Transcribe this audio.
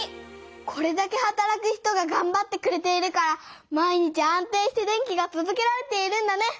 これだけはたらく人ががんばってくれているから毎日安定して電気がとどけられているんだね。